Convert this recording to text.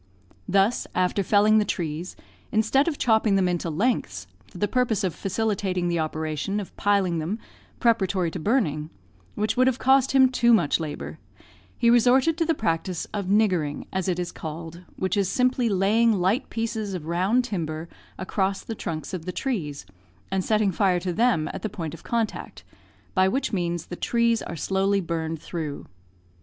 Thus, after felling the trees, instead of chopping them into lengths, for the purpose of facilitating the operation of piling them preparatory to burning, which would have cost him too much labour, he resorted to the practice of "niggering," as it is called; which is simply laying light pieces of round timber across the trunks of the trees, and setting fire to them at the point of contact, by which means the trees are slowly burned through.